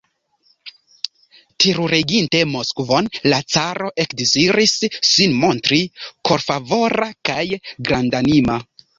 Terureginte Moskvon, la caro ekdeziris sin montri korfavora kaj grandanima.